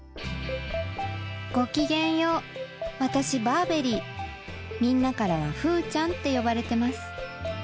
バーベリーみんなからはフーちゃんって呼ばれてます